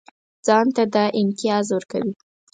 ځان ته دا امتیاز ورکوي.